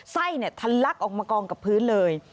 ไส้ทันลักออกมากองกับพื้นเลย